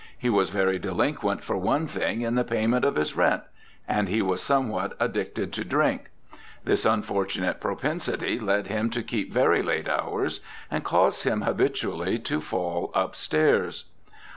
He was very delinquent, for one thing, in the payment of his rent. And he was somewhat addicted to drink. This unfortunate propensity led him to keep very late hours, and caused him habitually to fall upstairs.